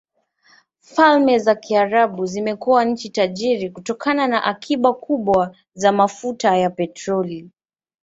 Falme za Kiarabu zimekuwa nchi tajiri kutokana na akiba kubwa za mafuta ya petroli.